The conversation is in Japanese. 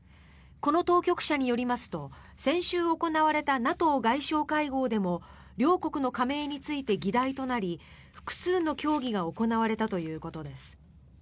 この当局者によりますと先週行われたＮＡＴＯ外相会合でも両国の加盟について議題となり複数の協議が行われたということです。